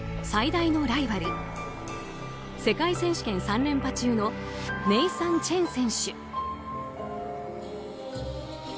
最大のライバル世界選手権３連覇中のネイサン・チェン選手。